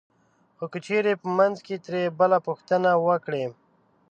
خو که چېرې په منځ کې ترې بل پوښتنه وکړي